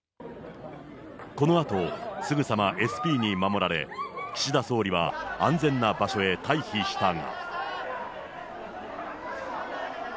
このあと、すぐさまＳＰに守られ、岸田総理は安全な場所へ退避したが。